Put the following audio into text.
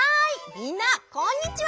みんなこんにちは！